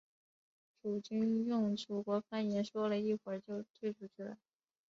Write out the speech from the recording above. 楚军用楚国方言说了一会就退出去了。